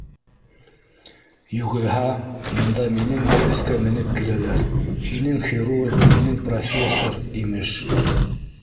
Юғиһә, бында минең дә өҫкә менеп киләләр, һинең хирург, һинең профессор, имеш